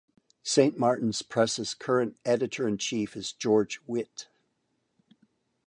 Saint Martin's Press's current editor in chief is George Witte.